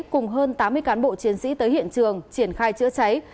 cùng hơn tám mươi cán bộ chiến sĩ tới hiện trường triển khai chữa cháy